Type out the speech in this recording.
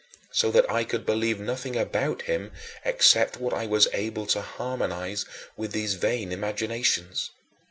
So that I could believe nothing about him except what I was able to harmonize with these vain imaginations.